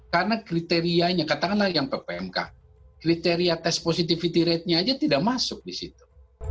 karena kriterianya katakanlah yang ppmk kriteria test positivity ratenya aja tidak masuk di situ